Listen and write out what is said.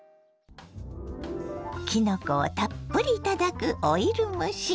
きのこをたっぷり頂くオイル蒸し。